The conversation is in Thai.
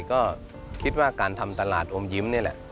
ก็คิดว่าการทำตลาดอมยิ้มนี่แหละ